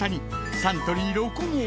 サントリー「ロコモア」！